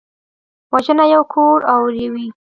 وژنه یو کور اوروي